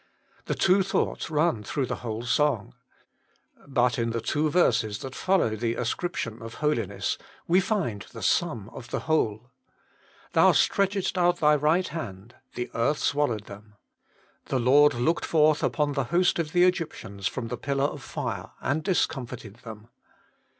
The two thoughts run through the whole song. But in the two verses that follow the ascription of holiness, we find the sum of the whole. ' Thou stretchedst out Thy right hand : the earth swallowed them.' ' The Lord looked forth upon the host of the Egyptians from the pillar of fire and discomfited them.'